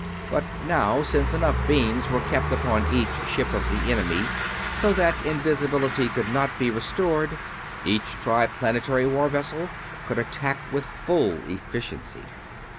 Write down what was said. But now, since enough beams were kept upon each ship of the enemy so that invisibility could not be restored, each Triplanetary war vessel could attack with full efficiency.